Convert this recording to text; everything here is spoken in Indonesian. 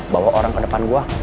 bawa orang ke depan gue